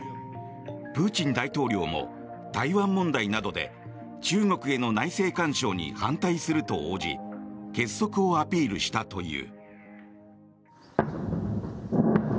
プーチン大統領も台湾問題などで中国への内政干渉に反対すると応じ結束をアピールしたという。